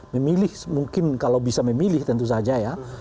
memilih mungkin kalau bisa memilih tentu saja ya